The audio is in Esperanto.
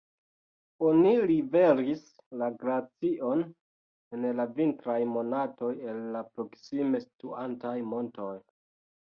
Oni liveris la glacion en la vintraj monatoj el la proksime situantaj montoj.